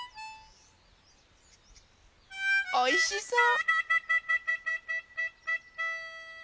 おいしそう！